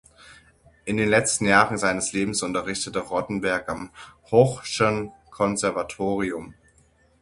In den letzten Jahren seines Lebens unterrichtete Rottenberg am Hoch’schen Konservatorium.